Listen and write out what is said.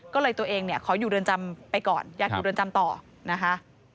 ก็เลยตัวเองขออยู่เริ่มจำไปก่อนอยากอยู่เริ่มจำต่อนะคะ